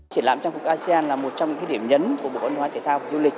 triển lãm trang phục asean là một trong những điểm nhấn của bộ văn hóa thể thao và du lịch